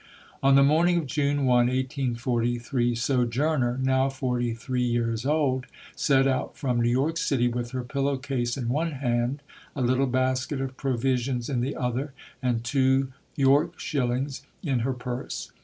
On the morning of June 1, 1843, Sojourner, now forty three years old, set out from New York City with her pillow case in one hand, a little basket of provisions in the other and two York shillings in her purse.